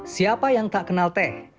siapa yang tak kenal teh